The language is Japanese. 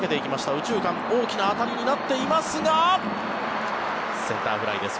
右中間、大きな当たりになっていますがセンターフライです。